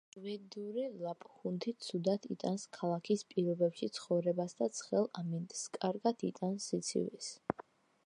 შვედური ლაპჰუნდი ცუდად იტანს ქალაქის პირობებში ცხოვრებას და ცხელ ამინდს, კარგად იტანს სიცივეს.